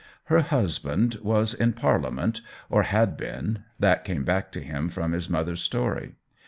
Her husband was in Parliament, or had been — that came back to him from his mother's story.